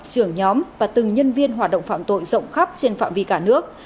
trưởng nhóm và từng nhân viên hoạt động phạm tội rộng khắp trên phạm vi cả nước